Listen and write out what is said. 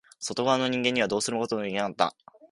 外側の人間にはどうすることもできなくなった。